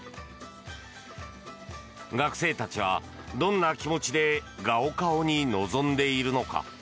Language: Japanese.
学生たちはどんな気持ちでガオカオに臨んでいるのか。